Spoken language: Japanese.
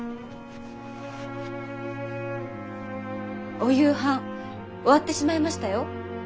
お夕飯終わってしまいましたよ。